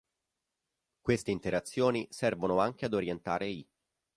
Queste interazioni servono anche ad orientare i